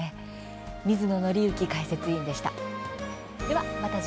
水野倫之解説委員でした。